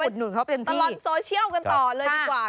ต้องไปตลอดโซเชียลกันต่อเลยดีกว่า